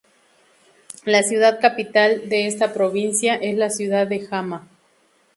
La ciudad capital de esta provincia es la ciudad de Hama.